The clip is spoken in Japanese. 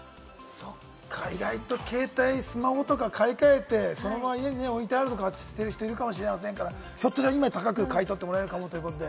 意外と携帯、スマホとか買い替えてそのまま家に置いてあるって人いるかもしれませんから、ひょっとしたら今より高く買い取ってもらえるかもしれない。